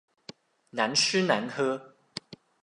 難吃難喝